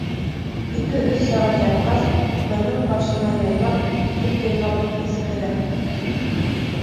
Ике-өс сәғәт ятҡас, бының башына яйлап, бик яйлап, иҫ керә.